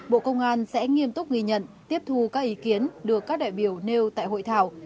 bộ công an sẽ nghiêm túc ghi nhận tiếp thu các ý kiến được các đại biểu nêu tại hội thảo